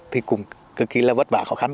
thì cũng cực kỳ là vất vả khó khăn